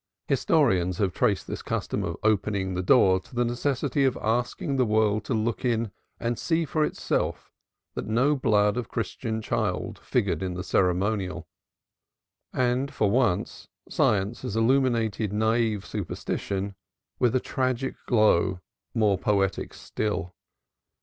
Historians have traced this custom of opening the door to the necessity of asking the world to look in and see for itself that no blood of Christian child figured in the ceremonial and for once science has illumined naïve superstition with a tragic glow more poetic still.